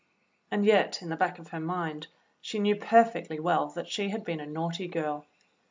And yet in the back of her mind she knew perfectly well that she had been a naughty girl.